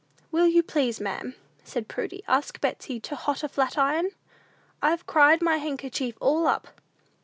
"Will you please, ma'am," said Prudy, "ask Betsey to hot a flatiron? I've cried my handkerchief all up!"